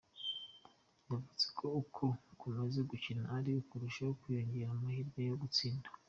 Yavuze ko uko ukomeza gukina ari ko urushaho kwiyongerera amahirwe yo gutsinda.